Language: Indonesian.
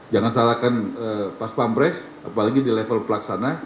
jangan salahkan pak spampres apalagi di level pelaksana